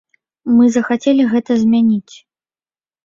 Мы захацелі гэта змяніць.